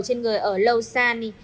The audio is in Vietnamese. trên người ở lô san